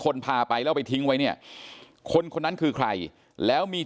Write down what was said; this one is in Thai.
พาไปแล้วไปทิ้งไว้เนี่ยคนคนนั้นคือใครแล้วมี